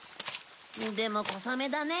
でも小雨だね。